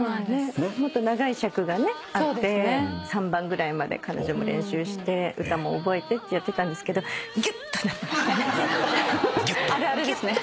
もっと長い尺があって３番ぐらいまで彼女も練習して歌も覚えてってやってたんですけどぎゅっとなってましたね。